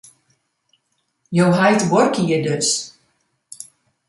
Jo heit buorke hjir dus?